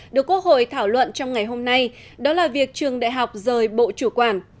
được quốc hội thảo luận trong ngày hôm nay đó là việc trường đại học rời bộ chủ quản